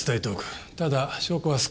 ただ証拠は少ない。